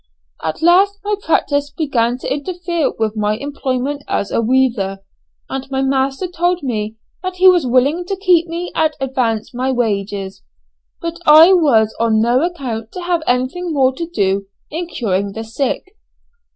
"At last my practice began to interfere with my employment as a weaver, and my master told me that he was willing to keep me and advance my wages, but I was on no account to have anything more to do in curing the sick.